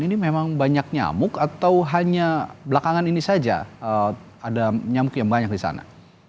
ini memang banyak nyamuk atau hanya belakangan ini saja ada nyamuk yang banyak di sana